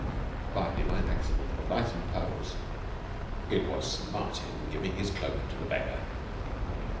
By divine accident of light and pose it St. Martin giving his cloak to the beggar.